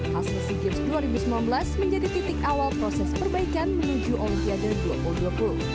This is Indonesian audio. hasil sea games dua ribu sembilan belas menjadi titik awal proses perbaikan menuju olimpiade dua ribu dua puluh